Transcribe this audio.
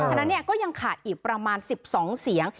ฉะนั้นก็ยังขาดอีกประมาณ๑๒เสียง